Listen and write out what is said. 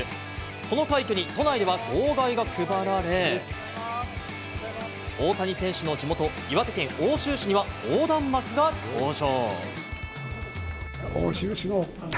この快挙に都内では号外が配られ、大谷選手の地元・岩手県奥州市には横断幕が登場。